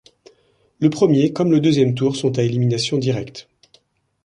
Le premier, comme le deuxième tour, sont à élimination directe.